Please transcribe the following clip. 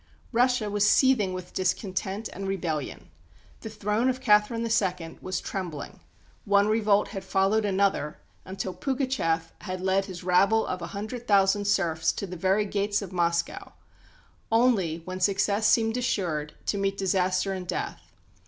Russia was seething with discontent and rebellion; the throne of Catherine II. was trembling; one revolt had followed another, until Pugatchef had led his rabble of a hundred thousand serfs to the very gates of Moscow only, when success seemed assured, to meet disaster and death.